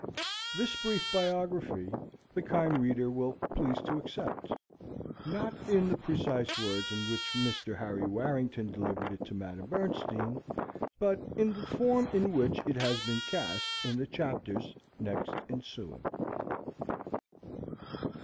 This brief biography the kind reader will please to accept, not in the precise words in which Mr. Harry Warrington delivered it to Madam Bernstein, but in the form in which it has been cast in the Chapters next ensuing.